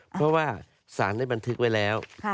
เพราะว่าสารได้บันทึกไว้แล้ว